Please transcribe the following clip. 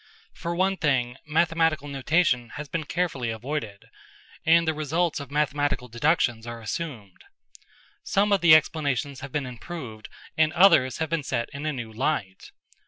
For one thing, mathematical notation has been carefully avoided, and the results of mathematical deductions are assumed. Some of the explanations have been improved and others have been set in a new light.